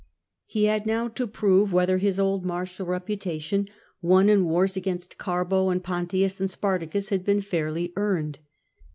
He had now to prove whether his old martial reputation won in the wars against Carbo and Pontius and Spartacus had been fairly earned.